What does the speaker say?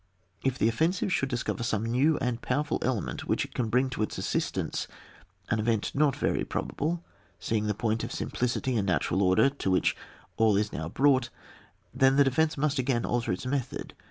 If the offensive should discover some new and powerful element which it can bring to its assistance — an event not very probable, seeing the point of simplicity and natural order to which aU is now brought — then the defence must ag^n alter its method.